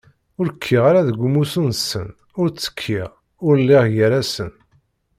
Ur kkiɣ ara deg umussu-nsen, ur ttekkiɣ! Ur lliɣ gar-asen!